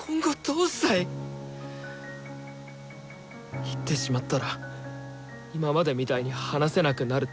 「言ってしまったら今までみたいに話せなくなる」って言ってたよな。